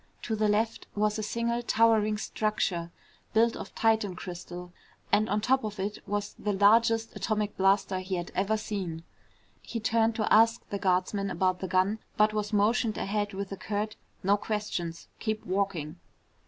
To the left was a single towering structure built of Titan crystal and on top of it was the largest atomic blaster he had ever seen. He turned to ask the guardsman about the gun but was motioned ahead with a curt, "No questions. Keep walking."